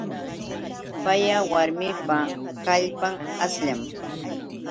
Paya warmipa kallpan ashllam.